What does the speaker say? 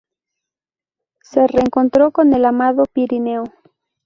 Y se reencontró con el amado Pirineo.